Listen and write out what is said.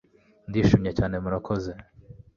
ndishimye cyane Murakoze